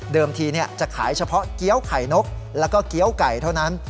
ทีจะขายเฉพาะเกี้ยวไข่นกแล้วก็เกี้ยวไก่เท่านั้น